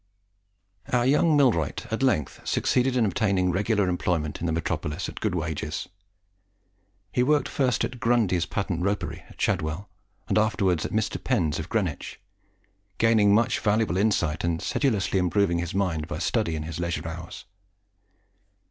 Our young millwright at length succeeded in obtaining regular employment in the metropolis at good wages. He worked first at Grundy's Patent Ropery at Shadwell, and afterwards at Mr. Penn's of Greenwich, gaining much valuable insight, and sedulously improving his mind by study in his leisure hours.